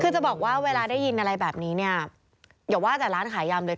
คือจะบอกว่าเวลาได้ยินอะไรแบบนี้เนี่ยอย่าว่าแต่ร้านขายยำเลย